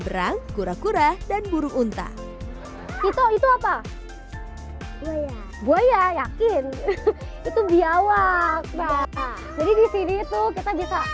berang kura kura dan burung unta itu itu apa buaya yakin itu biawa kira kira jadi disini itu kita bisa